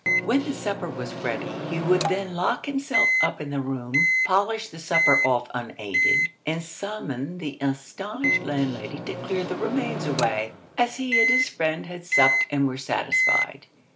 When the supper was ready he would then lock himself up in the room, polish the supper off unaided, and summon the astonished landlady to clear the remains away, as he and his friend had supped and were satisfied.